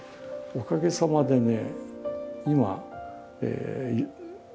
おかげさまでね